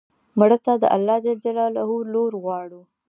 مړه ته د الله ج لور غواړو